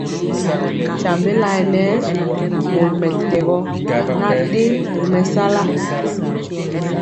Tyiembé laɛ nɛ mori mɛtɛgɔ nan dɛ ri mɛsala.